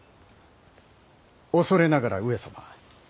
恐れながら上様。